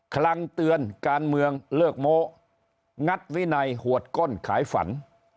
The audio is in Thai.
คลังเตือนการเมืองเลิกโมงัดวินัยหวดก้นขายฝัน